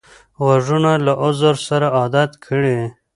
غوږونه له عذر سره عادت کړی